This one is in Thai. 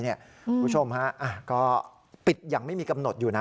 คุณผู้ชมฮะก็ปิดอย่างไม่มีกำหนดอยู่นะ